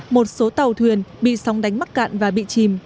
một số tàu thuyền bị sóng đánh mắc cạn và bị chìm